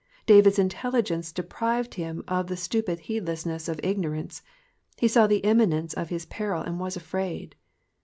David^s intelligence deprived him of the stupid heedlessness of ifi^norance, he saw the imminence of his peril, and was afraid.